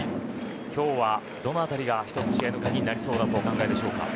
今日はどのあたりが試合の鍵になりそうだとお考えでしょうか。